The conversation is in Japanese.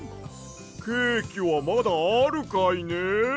ケーキはまだあるかいね？